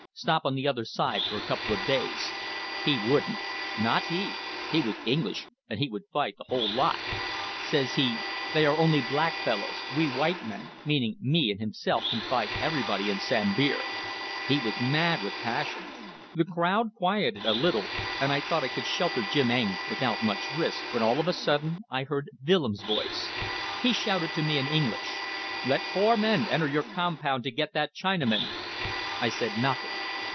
Stop on the other side for a couple of days. He wouldn't. Not he. He was English, and he would fight the whole lot. Says he: 'They are only black fellows. We white men,' meaning me and himself, 'can fight everybody in Sambir.' He was mad with passion. The crowd quieted a little, and I thought I could shelter Jim Eng without much risk, when all of a sudden I heard Willems' voice. He shouted to me in English: 'Let four men enter your compound to get that Chinaman!' I said nothing.